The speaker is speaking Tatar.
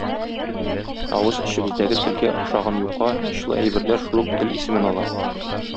Авыз эчебездәге телгә охшаган юка, очлы әйберләр шул ук тел исемен ала.